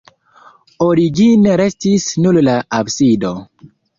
Origine restis nur la absido.